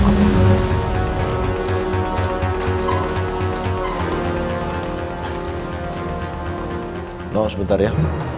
tunggu sebentar ya